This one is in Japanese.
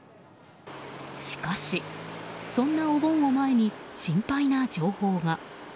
しかし、そんなお盆を前に心配な情報が。